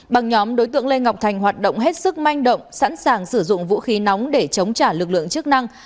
bằng nhóm đối tượng lê ngọc thành hoạt động hết sức manh động sẵn sàng sử dụng vũ khí nóng để chống trả lực lượng chức năng